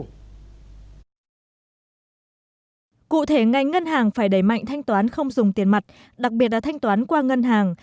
cụ thể ngành ngân hàng phải đẩy mạnh thanh toán không dùng tiền mặt đặc biệt là thanh toán qua ngân hàng